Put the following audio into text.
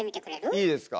いいですか？